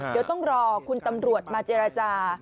เดี๋ยวต้องรอคุณตำรวจมาเจรจา